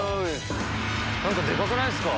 何かでかくないっすか？